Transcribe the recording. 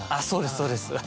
そうですそうです。